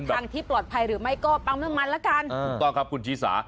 เป็นข้างทางที่ปลอดภัยหรือไม่ก็ปังมันแล้วกันถูกต้องครับคุณชีสา